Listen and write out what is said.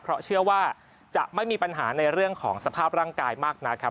เพราะเชื่อว่าจะไม่มีปัญหาในเรื่องของสภาพร่างกายมากนักครับ